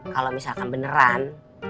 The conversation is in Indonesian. kalau misalkan beneran